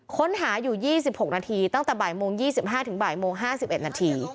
ค้นหาอยู่ยี่สิบหกนาทีตั้งแต่บ่ายโมงยี่สิบห้าถึงบ่ายโมงห้าสิบเอ็ดนาที